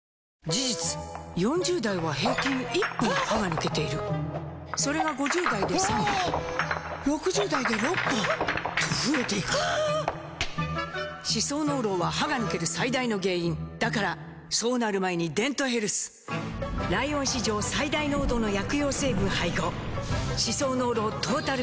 事実４０代は平均１本歯が抜けているそれが５０代で３本６０代で６本と増えていく歯槽膿漏は歯が抜ける最大の原因だからそうなる前に「デントヘルス」ライオン史上最大濃度の薬用成分配合歯槽膿漏トータルケア！